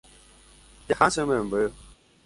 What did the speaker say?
Jaha che memby